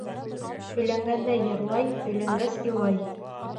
Өйләнгәндә йырлай, өйләнгәс, илай.